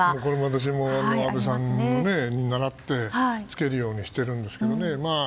私も安倍さんにならって着けるようにしてるんですけどね。